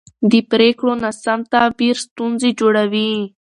د پرېکړو ناسم تعبیر ستونزې جوړوي